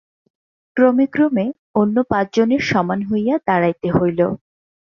ক্রমে ক্রমে অন্য পাঁচজনের সমান হইয়া দাঁড়াইতে হইল।